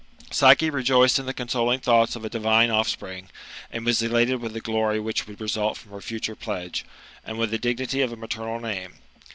Psyche rejoiced in the consoling thoughts of a divine offspring, and was elated with the glory which would result from her future pledge, and with the dignity of a maternal name.